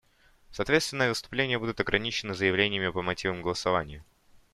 Соответственно, выступления будут ограничены заявлениями по мотивам голосования.